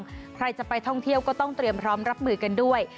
ใครจะไปท่องเที่ยวก็ต้องเตรียมพร้อมรับมือกันด้วย